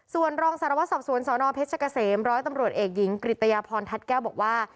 ส่วนรองสารวัตรสอบสวนสนเพชรเกษมร้อยตำรวจเอกหญิงกริตยาพรทัศน์แก้วบอกว่า